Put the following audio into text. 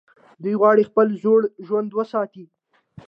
دوی غواړي خپل زوړ ژوند وساتي.